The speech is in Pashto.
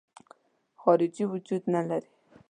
خارجي وجود نه لري.